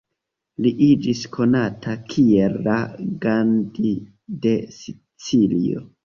Li iĝis konata kiel la "Gandhi de Sicilio".